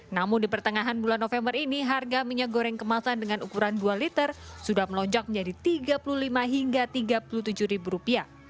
namun di pertengahan bulan november ini harga minyak goreng kemasan dengan ukuran dua liter sudah melonjak menjadi rp tiga puluh lima hingga rp tiga puluh tujuh